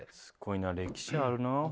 すごいな歴史あるな。